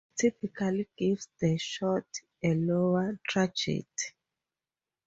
This typically gives the shot a lower trajectory.